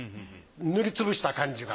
塗りつぶした感じが。